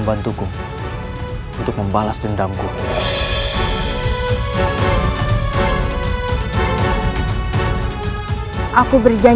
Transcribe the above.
darah harus dibalik dengan darah